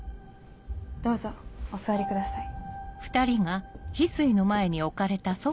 どうぞお座りください。